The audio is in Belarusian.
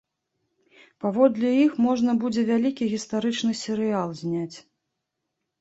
Паводле іх можна будзе вялікі гістарычны серыял зняць!